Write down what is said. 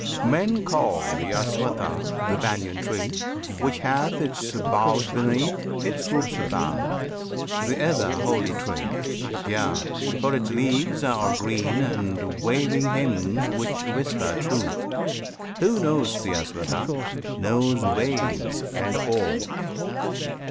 Men call the Aswattha, the Banyan tree, Which hath its boughs beneath, its roots above, The ever holy tree. Yea! for its leaves Are green and waving hymns which whisper Truth! Who knows the Aswattha, knows Veds, and all.